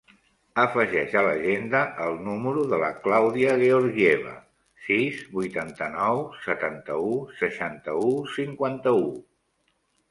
Afegeix a l'agenda el número de la Clàudia Georgieva: sis, vuitanta-nou, setanta-u, seixanta-u, cinquanta-u.